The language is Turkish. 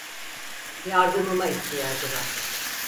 Yardımıma ihtiyacı var.